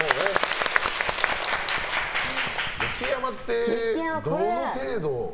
激甘ってどの程度。